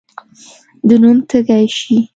د نوم تږی شي.